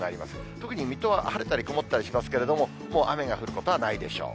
特に水戸は晴れたり曇ったりしますけれども、もう雨が降ることはないでしょう。